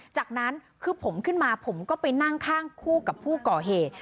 จากนั้นคือผมขึ้นมาผมก็ไปนั่งข้างคู่กับผู้ก่อเหตุ